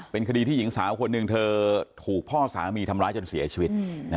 เป็นคดีที่หญิงสาวคนหนึ่งเธอถูกพ่อสามีทำร้ายจนเสียชีวิต